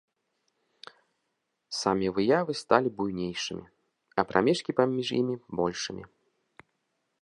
Самі выявы сталі буйнейшымі, а прамежкі паміж імі большымі.